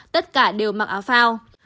tất cả đều mặc áo phao